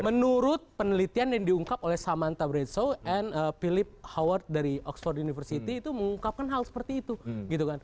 menurut penelitian yang diungkap oleh samantha bradesau dan philip howard dari oxford university itu mengungkapkan hal seperti itu